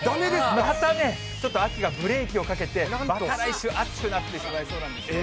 またね、ちょっと秋がブレーキをかけて、また来週暑くなってしまいそうなんですね。